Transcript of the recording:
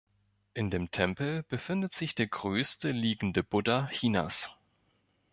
In dem Tempel befindet sich der größte liegende Buddha Chinas.